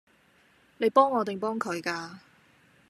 你幫我定幫佢㗎？